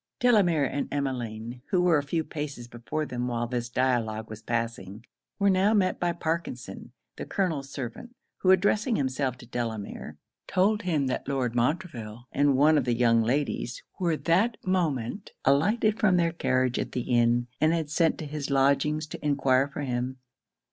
Delamere and Emmeline, who were a few paces before them while this dialogue was passing, were now met by Parkinson, the colonel's servant, who addressing himself to Delamere, told him that Lord Montreville and one of the young ladies were that moment alighted from their carriage at the inn, and had sent to his lodgings to enquire for him.